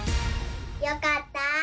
よかった！